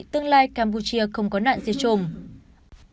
tương lai campuchia không có nạn diệt chủng